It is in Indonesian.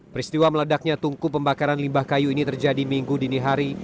peristiwa meledaknya tungku pembakaran limbah kayu ini terjadi minggu dini hari